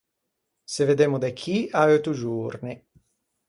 Se veddemmo de chì à eutto giorni.